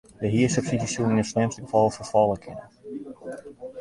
De hiersubsydzje soe yn it slimste gefal ferfalle kinne.